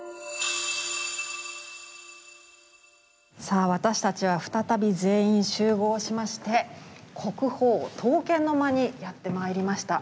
さあ私たちは再び全員集合しまして国宝刀剣の間にやってまいりました。